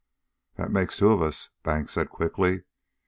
"That makes two of us," Banks said quickly.